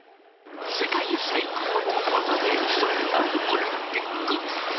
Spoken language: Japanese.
世界最高の技で競い合うオリンピック。